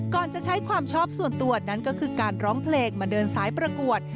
จะใช้ความชอบส่วนตัวนั้นก็คือการร้องเพลงมาเดินสายประกวด